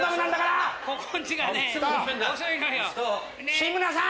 志村さん！